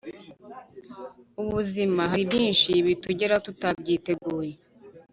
Ubuzima haribyinshi bitugeraho tutabyiteguye